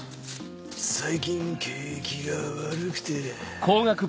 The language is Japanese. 最近景気が悪くて。